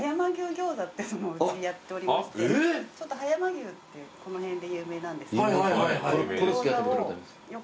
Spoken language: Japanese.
ギョーザっていうのをうちやっておりましてちょっと葉山牛ってこの辺で有名なんですけどそのギョーザをよかったら。